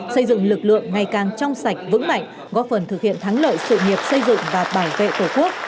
xây dựng lực lượng ngày càng trong sạch vững mạnh góp phần thực hiện thắng lợi sự nghiệp xây dựng và bảo vệ tổ quốc